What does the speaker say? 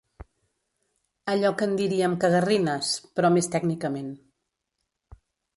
Allò que en diríem cagarrines, però més tècnicament.